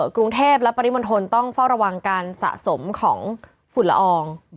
กรุงเทพและปริมณฑลต้องเฝ้าระวังการสะสมของฝุ่นละออง